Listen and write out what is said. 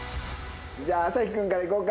じゃあ麻火君からいこうか。